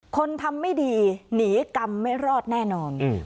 คนทำไม่ดีหนีกรรมไม่รอดแน่นอน